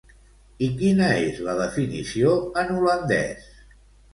I quina és la definició en holandès?